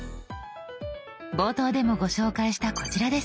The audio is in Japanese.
冒頭でもご紹介したこちらです。